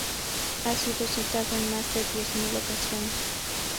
Ha sido citado en más de diez mil ocasiones.